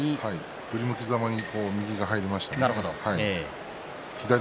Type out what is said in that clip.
振り向きざまに右が入りました。